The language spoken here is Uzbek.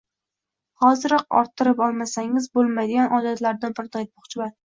hoziroq orttirib olmasangiz bo’lmaydigan odatlardan birini aytmoqchiman